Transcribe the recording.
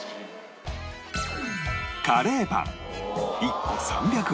カレーパン１個３００円